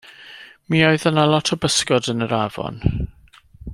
Mi oedd yna lot o bysgod yn yr afon.